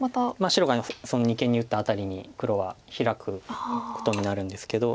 白が二間に打った辺りに黒はヒラくことになるんですけど。